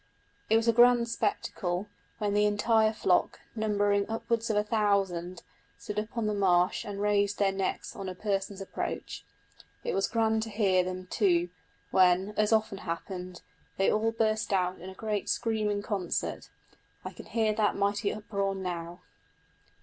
It was a grand spectacle, when the entire flock, numbering upwards of a thousand, stood up on the marsh and raised their necks on a person's approach. It was grand to hear them, too, when, as often happened, they all burst out in a great screaming concert. I can hear that mighty uproar now!